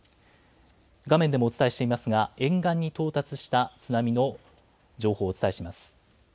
画面でもお伝えしていますが沿岸に到達した津波の情報をお伝えします。